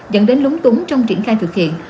dẫn đến lúng túng trong triển khai thực hiện